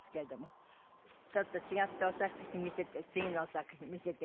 ちょっと違ったお作品見せて次のお作品見せて頂きます。